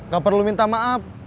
gak perlu minta maaf